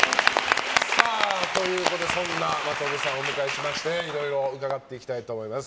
そんな真飛さんをお迎えしましていろいろ伺っていきたいと思います。